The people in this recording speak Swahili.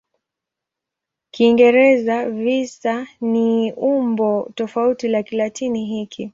Kiingereza "visa" ni umbo tofauti la Kilatini hiki.